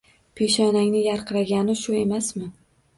Peshonaning yarqiragani shu emasmi?!